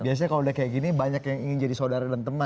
biasanya kalau udah kayak gini banyak yang ingin jadi saudara dan teman